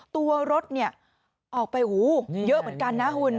ตัวรถออกไปโหเยอะเหมือนกันนะคุณ